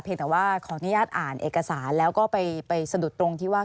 แต่ว่าขออนุญาตอ่านเอกสารแล้วก็ไปสะดุดตรงที่ว่า